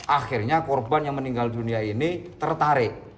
akhirnya korban yang meninggal dunia ini tertarik